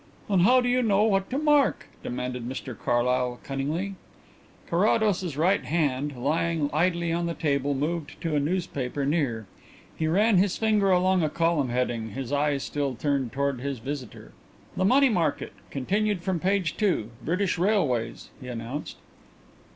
"And how do you know what to mark?" demanded Mr Carlyle cunningly. Carrados's right hand, lying idly on the table, moved to a newspaper near. He ran his finger along a column heading, his eyes still turned towards his visitor. "'The Money Market. Continued from page 2. British Railways,'" he announced.